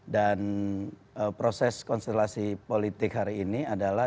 dan proses konstelasi politik hari ini adalah